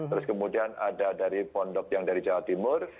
terus kemudian ada dari pondok yang dari jawa timur